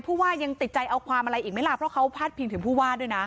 ผู้ว่ายังติดใจเอาความอะไรอีกไหมล่ะเพราะเขาพาดพิงถึงผู้ว่าด้วยนะ